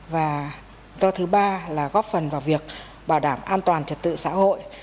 và do thứ ba là góp phần vào việc bảo đảm an toàn trật tự xã hội